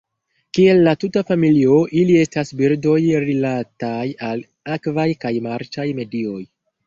Kiel la tuta familio, ili estas birdoj rilataj al akvaj kaj marĉaj medioj.